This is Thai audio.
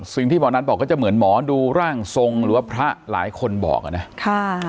สิ่งที่หมอนัทบอกก็จะเหมือนหมอดูร่างทรงหรือว่าพระหลายคนบอกอ่ะนะค่ะ